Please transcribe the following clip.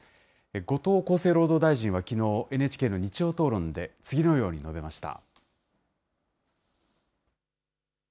後藤厚生労働大臣は、きのう、ＮＨＫの日曜討論で次のように述べました。